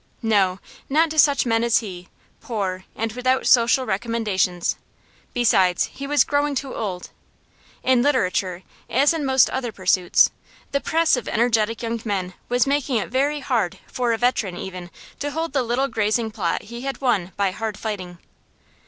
No, not to such men as he poor, and without social recommendations. Besides, he was growing too old. In literature, as in most other pursuits, the press of energetic young men was making it very hard for a veteran even to hold the little grazing plot he had won by hard fighting.